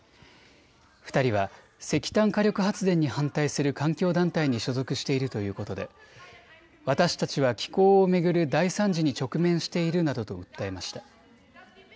２人は石炭火力発電に反対する環境団体に所属しているということで私たちは気候を巡る大惨事に直面しているなどと訴えました。